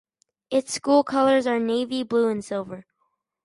Its school colors are navy blue and silver.